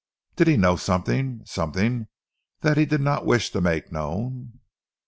Did he know something something that he did not wish to make known?